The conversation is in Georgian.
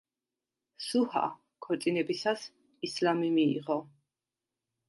სუჰა ქორწინებისას ისლამი მიიღო.